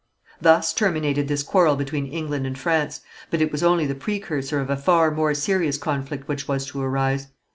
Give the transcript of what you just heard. Thus terminated this quarrel between England and France, but it was only the precursor of a far more serious conflict which was to arise.